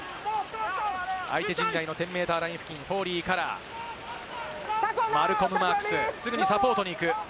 相手陣内の１０ｍライン付近、フォーリーからマルコム・マークス、すぐにサポートに行く。